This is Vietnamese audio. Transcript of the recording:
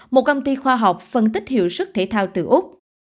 một công ty khoa học phân tích hiệu sức thể thao từ úc